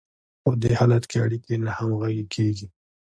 په دې حالت کې اړیکې ناهمغږې کیږي.